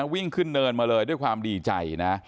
วิ่งขึ้นเนินมาเลยด้วยความดีใจนะ